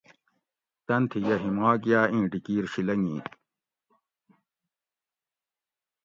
تن تھی یہ ہیماک یاۤ اِیں ڈیکیر شی لنگی